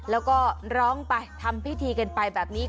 แล้วก็ร้องไปทำพิธีกันไปแบบนี้